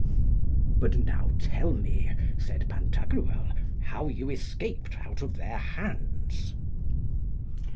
But now tell me, said Pantagruel, how you escaped out of their hands.